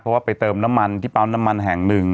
เพราะว่าไปเติมน้ำมันที่ปั๊มน้ำมันแห่งหนึ่ง